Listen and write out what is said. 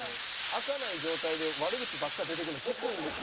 開かない状態で悪口ばっかり出てくるのきついんですけど。